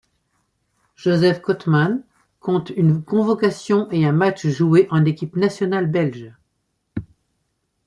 Joseph Cootmans compte une convocation et un match joué en équipe nationale belge.